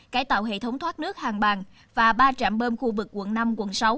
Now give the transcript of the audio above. cải tạo hệ thống thoát nước hàng bàn và ba trạm bơm khu vực quận năm quận sáu